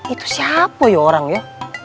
itu siapa ya orangnya